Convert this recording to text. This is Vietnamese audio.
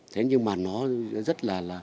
thế nhưng mà nó rất là